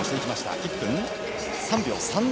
１分３秒３７。